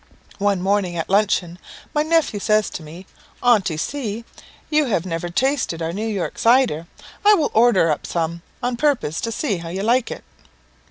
"One morning, at luncheon, my nephew says to me, 'Aunty C , you have never tasted our New York cider; I will order up some on purpose to see how you like it.'